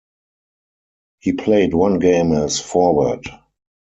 He played one game as forward.